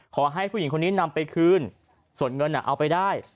ขอให้ผู้หญิงคนนี้นำไปคืนส่วนเงินเอาไปได้